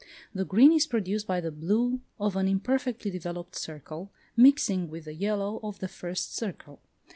The green is produced by the blue of an imperfectly developed circle, mixing with the yellow of the first circle.